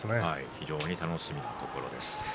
非常に楽しみなところです。